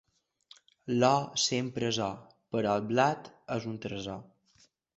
L'or sempre és or, però el blat és un tresor.